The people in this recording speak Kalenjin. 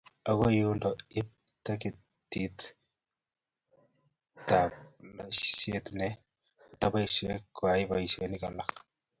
Akoi yundo ip kotil tikititab loiseet ne kotoboisye koyai boisionik alak.